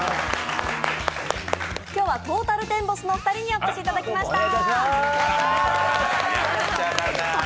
今日はトータルテンボスのお二人にお越しいただきました。